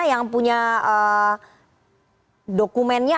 yang punya dokumennya